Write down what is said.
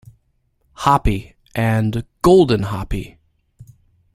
"Hapi" and "Golden Hapi".